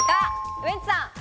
ウエンツさん。